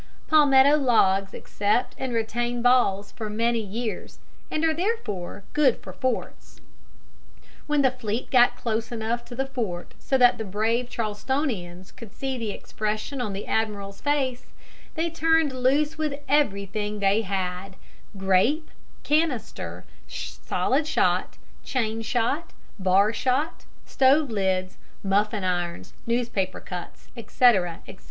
Palmetto logs accept and retain balls for many years, and are therefore good for forts. When the fleet got close enough to the fort so that the brave Charlestonians could see the expression on the admiral's face, they turned loose with everything they had, grape, canister, solid shot, chain shot, bar shot, stove lids, muffin irons, newspaper cuts, etc., etc.